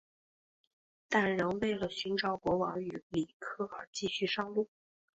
但仍为了寻找国王与里克而继续上路。